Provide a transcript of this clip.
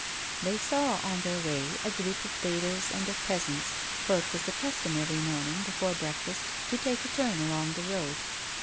They saw, on their way, a group of bathers and of peasants, for it was the custom every morning before breakfast to take a turn along the road.